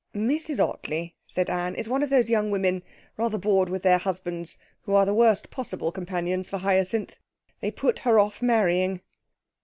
'Mrs Ottley,' said Anne, 'is one of those young women, rather bored with their husbands, who are the worst possible companions for Hyacinth. They put her off marrying.'